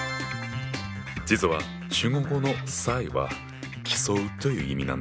実は中国語の「賽」は競うという意味なんだよ。